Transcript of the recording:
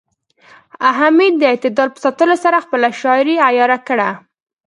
حمید د اعتدال په ساتلو سره خپله شاعرۍ عیاره کړه